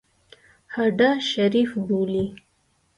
هډه شریف بولي.